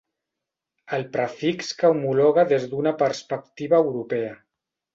El prefix que homologa des d'una perspectiva europea.